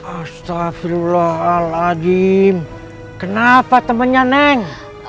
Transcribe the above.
astagfirullahaladzim kenapa temennya neng